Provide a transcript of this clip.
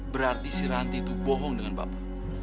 berarti si ranti itu bohong dengan bapak